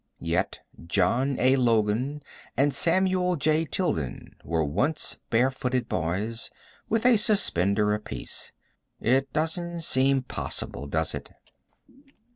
Yet John A. Logan and Samuel J. Tilden were once barefooted boys, with a suspender apiece. It doesn't seem possible, does it?